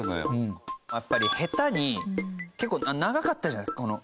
やっぱりヘタに結構長かったじゃないこの。